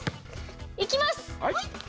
いきます！